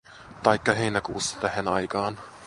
Taikka heinäkuussa tähän aikaan.